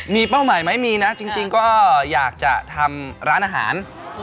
มีเป้าหมายไหมมีนะจริงก็อยากจะทำร้านอาหาร